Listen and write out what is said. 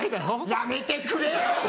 やめてくれよ！